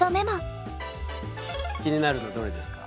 気になるのどれですか？